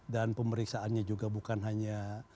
dan pemeriksaannya juga bukan hanya